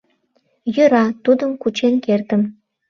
Йӧра, тудым кучен кертым.